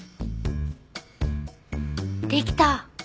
できた！